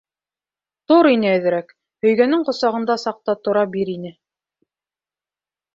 Тор ине әҙерәк, һөйгәнең ҡосағыңда саҡта тора бир ине.